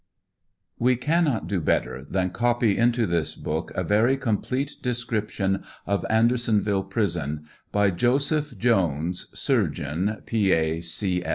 We cannot do better than copy into this book a very complete description of Anderson ville Prison, by Joseph Jones, Surgeon P. A.